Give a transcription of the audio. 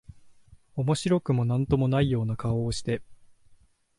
面白くも何とも無いような顔をして、